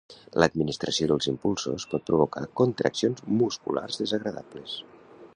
L'administració dels impulsos pot provocar contraccions musculars desagradables.